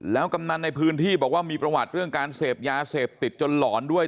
แล้วกำนันในพื้นที่บอกว่ามีประวัติเรื่องการเสพยาเสพติดจนหลอนด้วย